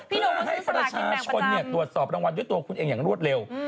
เพื่อให้ประชาชนตรวจสอบรางวัลด้วยตัวคุณเองอย่างรวดเร็ว